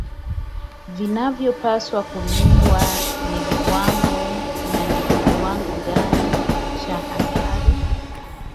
vinavyopaswa kulindwa na viwango na ni kiwango gani cha hatari